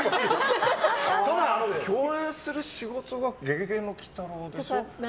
共演する仕事が「ゲゲゲの鬼太郎」でしょ。